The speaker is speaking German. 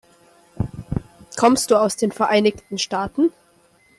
Kommst du aus den Vereinigten Staaten?